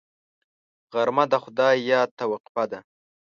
غرمه د خدای یاد ته وقفه ده